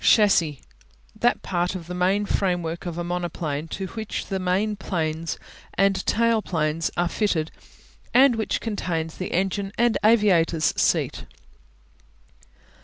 Chassis (shas see) That part of the main framework of a monoplane to which the main planes and tail planes are fitted and which contains the engine and aviators seat.